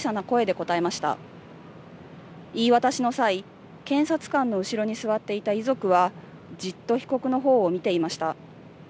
言い渡しの際、検察官の後ろに座っていた遺族はじっと被告のほうを見ていました。